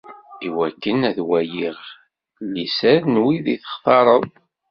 Iwakken ad waliɣ liser n wid i textareḍ.